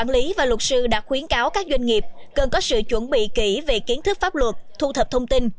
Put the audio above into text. quản lý và luật sư đã khuyến cáo các doanh nghiệp cần có sự chuẩn bị kỹ về kiến thức pháp luật thu thập thông tin